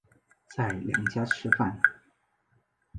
在娘家吃饭